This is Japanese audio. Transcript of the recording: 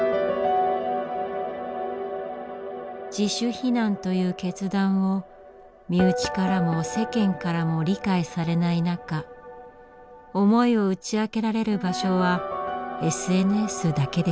自主避難という決断を身内からも世間からも理解されない中思いを打ち明けられる場所はＳＮＳだけでした。